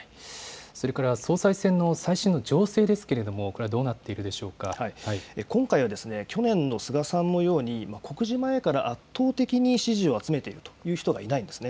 それから総裁選の最新の情勢ですけれども、これはどうなって今回はですね、去年の菅さんのように、告示前から圧倒的に支持を集めているという人がいないんですね。